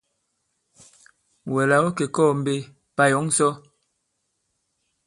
Wɛ̀ là ɔ̌ kè kɔɔ̄ mbe, pà yɔ̌ŋ sɔ?